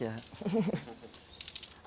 ada pesan yang ingin disampaikan